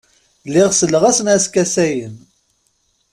Lliɣ selleɣ-asen a skasayen.